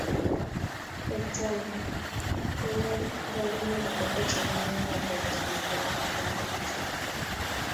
Eng' tai ko ati yei orokenet akobo chamanetab borto nebo lakwenyu ne chepto